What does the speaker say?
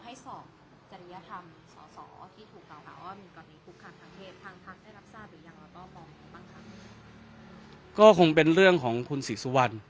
แล้วต้องมองบ้างคะก็คงเป็นเรื่องของคุณศรีสุวรรณ